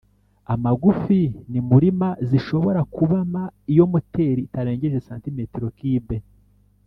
amagufi ni muri m zishobora kuba m iyo moteri itarengeje cm kibe